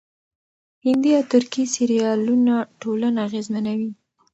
هندي او ترکي سريالونه ټولنه اغېزمنوي.